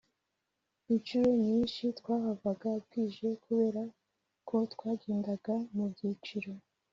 incuro nyinshi twahavaga bwije kubera ko twagendaga mu byiciro